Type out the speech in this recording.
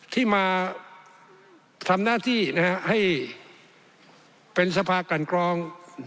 ที่มาทำหน้าที่ให้เป็นสภากันกรอง